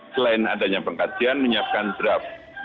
selain adanya pengkajian menyiapkan draft